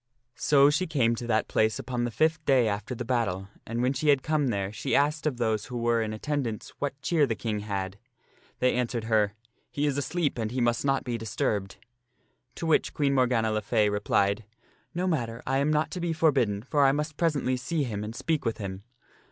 So she came to that place upon the fifth day after the battle, and when she had come there she asked of those who were in attendance what cheer the King had. They answered her, " He is asleep and he must not be dis turbed." To the which Queen Morgana le Fay replied, " No matter, I am not to be forbidden, for I must presently see him and speak with him."